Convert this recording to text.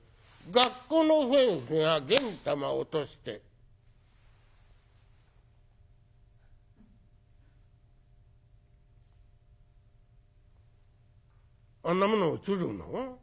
学校の先生がげん玉落として「あんなもの落ちるの？